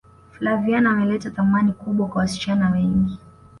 flaviana ameleta thamani kubwa kwa wasichana wengi